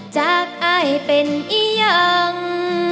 จากอายเป็นอียัง